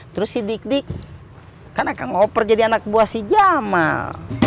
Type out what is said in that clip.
terus si dik dik kan akan ngoper jadi anak buah si jamal